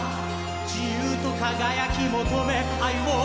自由と輝き求め歩もう